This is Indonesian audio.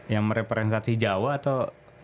yang mereferensiasi jawa atau